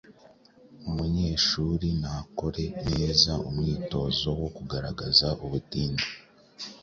Umunyeshuri nakore neza umwitozo wo kugaragaza ubutinde